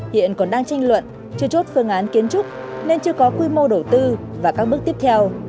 hiện còn đang tranh luận chưa chốt phương án kiến trúc nên chưa có quy mô đầu tư và các bước tiếp theo